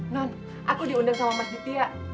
non aku diundang sama mas ditia